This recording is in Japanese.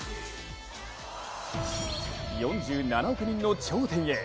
４７億人の頂点へ。